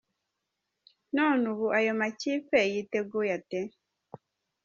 None ubu ayo makipe yiteguye ate?.